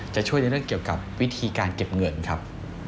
จะช่วยในเรื่องเกี่ยวกับวิธีการเก็บเงินครับ